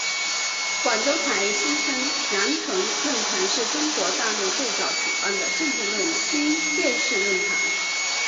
广州台声称羊城论坛是中国大陆最早举办的政论性电视论坛。